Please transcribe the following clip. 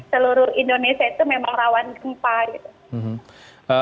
seluruh indonesia itu memang rawan gempa gitu